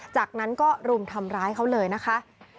จากนั้นก็รุมทำร้ายเขาเลยนะคะ